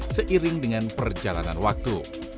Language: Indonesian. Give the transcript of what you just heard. seiring dengan perjalanan waktu